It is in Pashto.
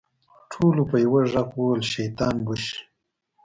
ټولو په يوه ږغ وويل شيطان بوش.